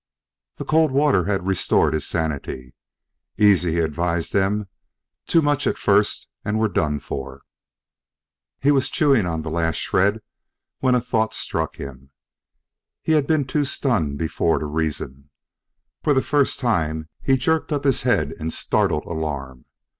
The cold water had restored his sanity. "Easy," he advised them; "too much at first and we're done for." He was chewing on the last shred when a thought struck him; he had been too stunned before to reason. For the first time he jerked up his head in startled alarm.